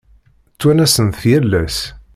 Ttwanasen-t yal ass.